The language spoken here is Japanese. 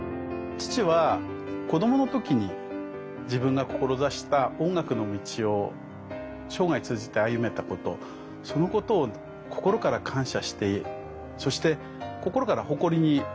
父は子どもの時に自分が志した音楽の道を生涯通じて歩めたことそのことを心から感謝してそして心から誇りに思っていました。